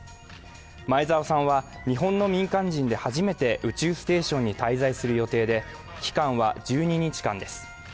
前澤さんは日本の民間人で初めて宇宙ステーションに滞在する予定で、期間は１２日間です。